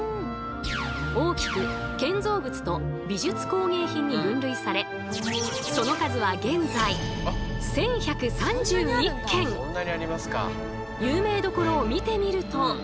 大きく「建造物」と「美術工芸品」に分類されその数は現在有名どころを見てみると。